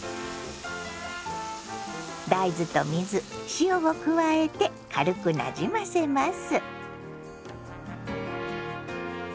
大豆と水塩を加えて軽くなじませます。